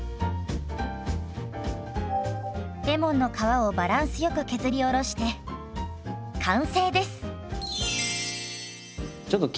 レモンの皮をバランスよく削りおろして完成です。